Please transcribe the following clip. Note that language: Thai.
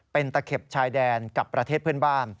เป็นตะเข็บชายแดนกับประเทศเพื่อนบ้าน